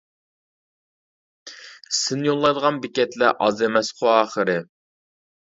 سىن يوللايدىغان بېكەتلەر ئاز ئەمەسقۇ ئاخىرى.